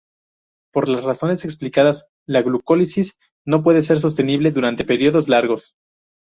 Por las razones explicadas, la glucólisis no puede ser sostenible durante periodos largos.